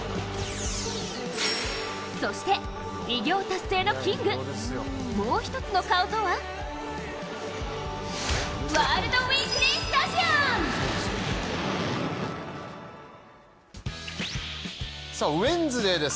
そして偉業達成のキング、もう一つの顔とはウエンズデーです。